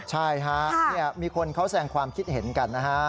ใช่ฮะมีคนเขาแสงความคิดเห็นกันนะฮะ